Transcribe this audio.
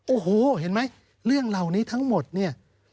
โอ้โหเห็นไหมเรื่องเหล่านี้ทั้งหมดเนี่ย